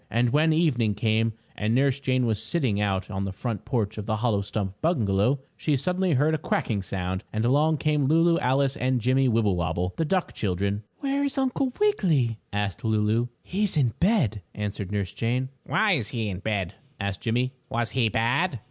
And when evening came and Nurse Jane was sitting out on the front porch of the hollow stump bungalow, she suddenly heard a quacking sound, and along came Lulu, Alice and Jimmie Wibblewobble, the duck children. "Where is Uncle Wiggily?" asked Lulu. "He is in bed," answered Nurse Jane. "Why is he in bed?" asked Jimmie. "Was he bad?"